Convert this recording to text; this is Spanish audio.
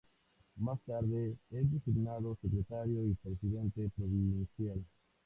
Más tarde, es designado Secretario y Presidente Provincial.